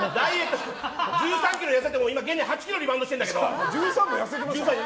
１３ｋｇ痩せて、８ｋｇリバウンドしちゃってんだけど。